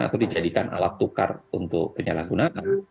atau dijadikan alat tukar untuk penyalahgunakan